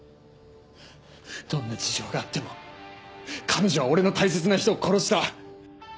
どんな事情があっても彼女は俺の大切な人を殺した。